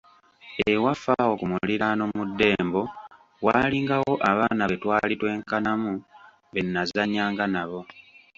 Ewaffe awo ku muliraano mu ddembo, waalingawo abaana bwe twali twenkanamu be nnazannyanga nabo.